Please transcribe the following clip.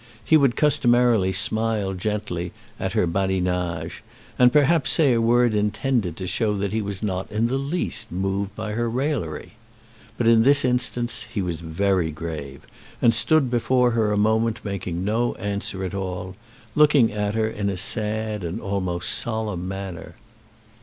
He would customarily smile gently at her badinage, and perhaps say a word intended to show that he was not in the least moved by her raillery. But in this instance he was very grave, and stood before her a moment making no answer at all, looking at her in a sad and almost solemn manner.